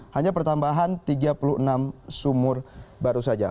hanya pertambahan tiga puluh enam sumur baru saja